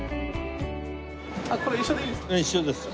これ一緒でいいですか？